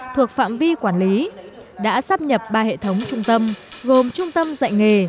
thuộc phạm vi quản lý đã sắp nhập ba hệ thống trung tâm gồm trung tâm dạy nghề